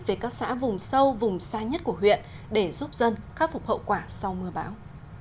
về các xã vùng sâu vùng xa nhất của huyện để giúp dân khắc phục hậu quả sau mưa bão